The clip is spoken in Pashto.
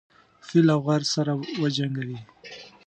فيل او غر سره وجنګوي.